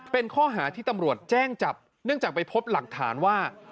เป็นข้อหาที่ตำรวจแจ้งจับเนื่องจากไปพบหลักฐานว่า